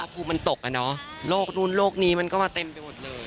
ภูมิมันตกอะเนาะโรคนู่นโรคนี้มันก็มาเต็มไปหมดเลย